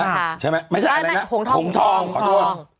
ใช่ค่ะใช่มั้ยไม่ใช่อะไรนะโขงทองโขงทองขอต้อง